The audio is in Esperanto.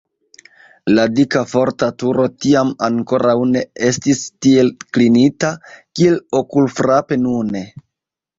La dika forta turo tiam ankoraŭ ne estis tiel klinita, kiel okulfrape nune.